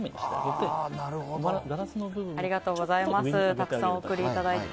たくさんお送りいただいて。